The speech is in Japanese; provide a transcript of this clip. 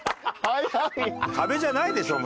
壁じゃないでしょ。